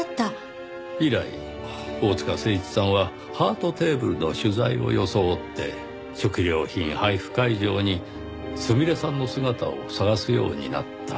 以来大塚誠一さんはハートテーブルの取材を装って食料品配布会場にすみれさんの姿を探すようになった。